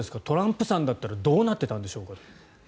トランプさんだったらどうなっていたんでしょうか。